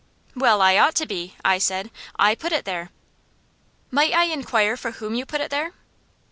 "Well I ought to be," I said. "I put it there." "Might I inquire for whom you put it there?"